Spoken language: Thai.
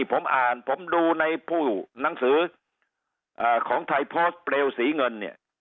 ผมอ่านผมดูในหนังสือของไทยโพสต์เปลวศรีเงิน